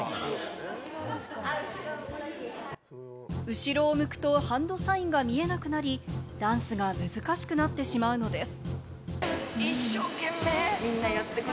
後ろを向くと、ハンドサインが見えなくなり、ダンスが難しくなってしまうのです。